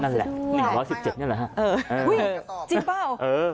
นั่นแหละหนึ่งร้อยสิบเจ็ดนี่แหละฮะเอออุ้ยจริงเปล่าเออ